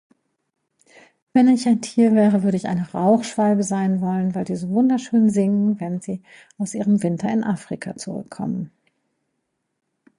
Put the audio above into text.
Wenn ich ein Tier wäre, würde ich eine Rauchschwalbe sein wollen, weil die so wunderschön singen, wenn sie aus Ihrem Winter in Afrika zurückkommen.